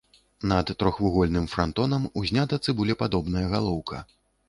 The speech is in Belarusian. Над трохвугольным франтонам узнята цыбулепадобная галоўка.